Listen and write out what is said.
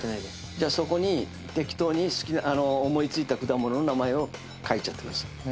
じゃあそこに適当に思いついた果物の名前を書いちゃってください